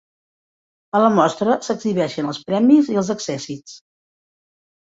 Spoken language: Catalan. A la mostra s'exhibeixen els premis i els accèssits.